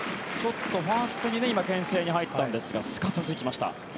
ファーストに今、けん制に入ったんですがすかさず行きました。